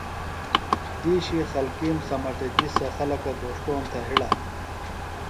دِیشی خلکِیم سمٹِجیۡ سےۡ خلکہ گھوݜٹوم تھےۡ ہڑہ۔